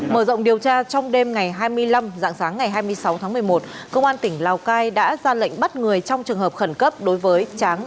mở rộng điều tra trong đêm ngày hai mươi năm dạng sáng ngày hai mươi sáu tháng một mươi một công an tỉnh lào cai đã ra lệnh bắt người trong trường hợp khẩn cấp đối với tráng